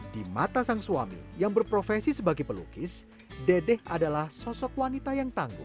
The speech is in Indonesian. di mata sang suami yang berprofesi sebagai pelukis dedek adalah sosok wanita yang tangguh